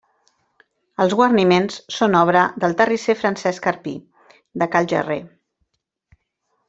Els guarniments són obra del terrisser Francesc Arpí, de Cal Gerrer.